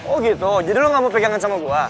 oh gitu jadi lo gak mau pegangan sama gue